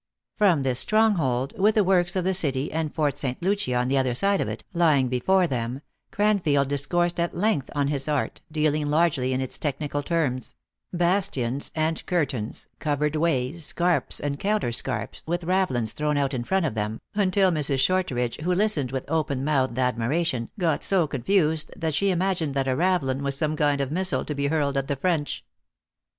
From this stronghold, with the works of the city and Fort St. Lucia on the other side of it, lying before them, Cranfield discoursed at length on his art, dealing largely in its technical terms : bastions, and curtains, covered ways, scarps and counter scarps, with ravelins thrown out in front of them, until Mrs. Shortridge, who listened with open mouthed admira 268 THE ACTRESS IN HIGH LIFE. tion, got so confused that she imagined that a ravelin was some kind of missile to be hurled at the French.